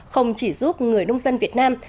không chỉ giúp người nông dân việt nam